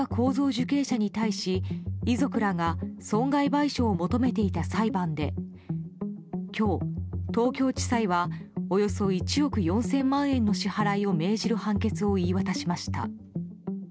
受刑者に対し、遺族らが損害賠償を求めていた裁判で今日、東京地裁はおよそ１億４０００万円の支払いを命じる判決を言い渡しました。